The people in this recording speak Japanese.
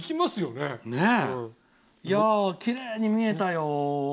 きれいに見えたよ。